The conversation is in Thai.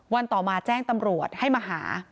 ต่อมาแจ้งตำรวจให้มาหา